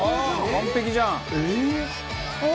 完璧じゃん！